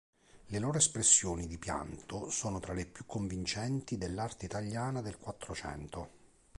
Le loro espressioni di pianto sono tra le più convincenti dell'arte italiana del Quattrocento.